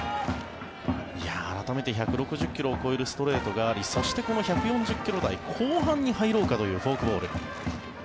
改めて１６０ｋｍを超えるストレートがありそしてこの１４０ｋｍ台後半に入ろうかというフォークボール。